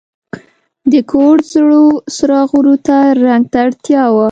د کور زړو څراغونو ته رنګ ته اړتیا وه.